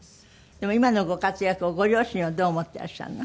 でも今のご活躍をご両親はどう思ってらっしゃるの？